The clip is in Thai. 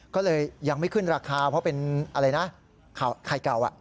ก็เลยยังไม่ขึ้นราคาเพราะเป็นอะไรนะไข่เก่า